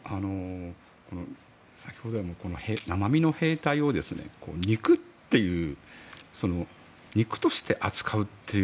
先ほど生身の兵隊を肉として扱う。